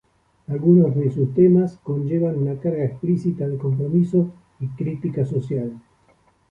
Algunos de sus temas conllevan una carga explícita de compromiso y crítica social.